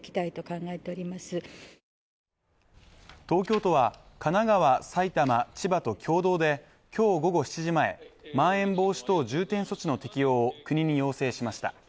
東京都は神奈川、埼玉、千葉と共同で今日午後７時前、まん延防止等重点措置の適用を国に要請しました。